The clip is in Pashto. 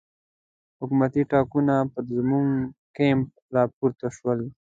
حکومتي ټانګونه پر زموږ کمپ را پورته شول.